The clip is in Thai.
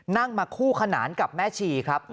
นั่งมาคู่ขนานกับแม่ชีครับ